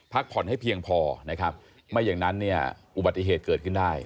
พักผ่อนให้เพียงพอนะครับไม่อย่างนั้นเนี่ยอุบัติเหตุเกิดขึ้นได้